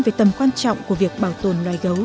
về tầm quan trọng của việc bảo tồn loài gấu